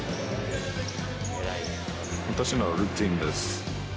私のルーティンです。